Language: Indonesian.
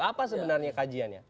apa sebenarnya kajiannya